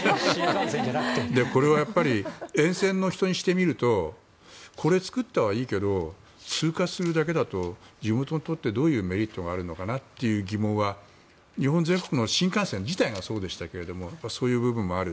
これは沿線の人にしてみるとこれを作ったはいいけど通過するだけだとどういうメリットがあるのかなというのは日本全国の新幹線自体がそうでしたがそういう部分もある。